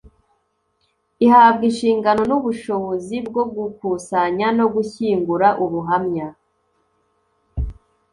ihabwa inshingano n'ubushobozi bwo gukusanya no gushyingura ubuhamya